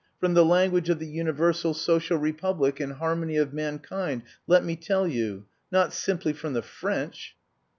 From the language of the universal social republic and harmony of mankind, let me tell you! Not simply from the French!"